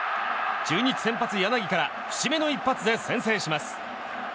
中日先発、柳から節目の一発で先制します。